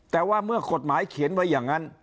แต่ว่าเมื่อกฎหมายเขียนไว้อย่างนั้น